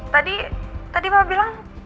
tadi tadi papa bilang